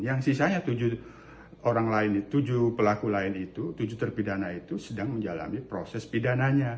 yang sisanya tujuh orang lain tujuh pelaku lain itu tujuh terpidana itu sedang menjalani proses pidananya